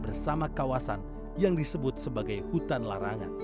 bersama kawasan yang disebut sebagai hutan larangan